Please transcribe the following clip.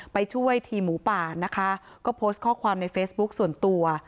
ไปช่วยทีมหมูป่านะคะก็โพสต์ข้อความในเฟซบุ๊คส่วนตัว